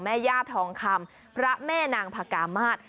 แม่ย่าทองคำพระแม่นางพกามาศ